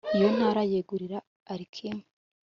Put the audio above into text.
iyo ntara ayegurira alikimu